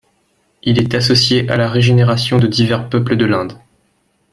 Il est associé à la régénération de divers peuples de l'Inde.